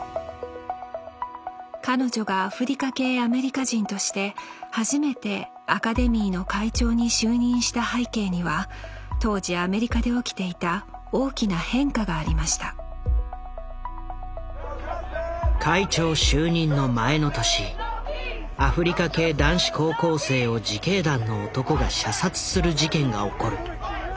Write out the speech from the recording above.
彼女がアフリカ系アメリカ人として初めてアカデミーの会長に就任した背景には当時アメリカで起きていた大きな変化がありました会長就任の前の年アフリカ系男子高校生を自警団の男が射殺する事件が起こる。